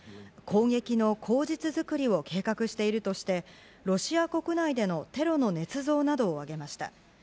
攻撃の口実作りを計画しているとして、ロシア国内でのテロのねつ造などを挙げました。